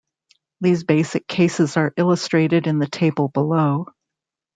These basic cases are illustrated in the table below.